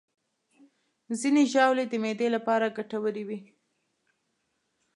ځینې ژاولې د معدې لپاره ګټورې وي.